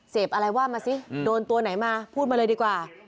เสพอะไรว่ามาสิโดนตัวไหนมาพูดมาเลยดีกว่า